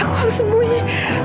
aku harus sembunyi